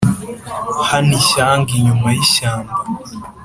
Hano ishyanga inyuma y'ishyamba